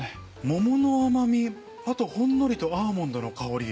桃の甘みあとほんのりとアーモンドの香り。